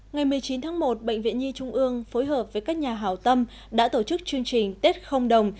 ngày một mươi chín tháng một bệnh viện nhi trung ương phối hợp với các nhà hảo tâm đã tổ chức chương trình tết không đồng